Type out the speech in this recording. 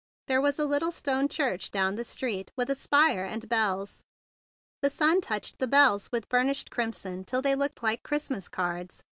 There was a little stone church down the street, with a spire and bells. The sun touched the bells with burnished crimson till they looked like Christmas cards.